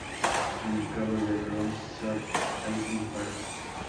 En el cabo de Ronsard hay un faro.